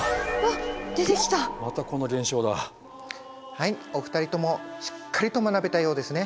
はいお二人ともしっかりと学べたようですね。